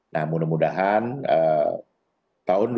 nah mudah mudahan tahun dua ribu dua puluh